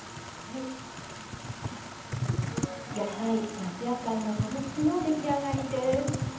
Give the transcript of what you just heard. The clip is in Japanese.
夏野菜のしゃぶすきの出来上がりです。